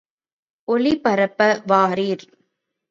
ஒளி பரப்ப வாரீர் ….